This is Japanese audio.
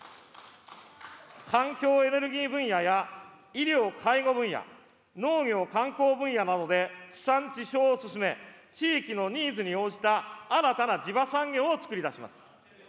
環境・エネルギー分野や、医療・介護分野、農業・観光分野などで地産地消を進め、地域のニーズに応じた新たな地場産業をつくり出します。